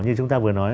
như chúng ta vừa nói